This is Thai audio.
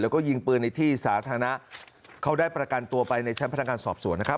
แล้วก็ยิงปืนในที่สาธารณะเขาได้ประกันตัวไปในชั้นพนักงานสอบสวนนะครับ